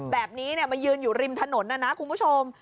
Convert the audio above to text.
แบบนี้มายืนอยู่ริมถนนนะนะคุณผู้ชม